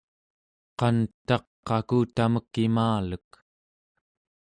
qantaq akutamek imalek